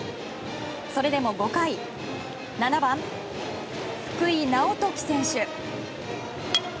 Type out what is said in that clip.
それでも５回７番、福井直睦選手。